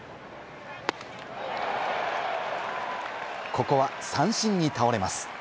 ここは三振に倒れます。